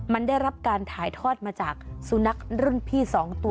มันได้รับการถ่ายทอดมาจากสุนัขรุ่นพี่๒ตัว